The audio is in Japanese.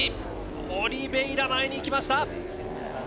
オリベイラ、前にいきました！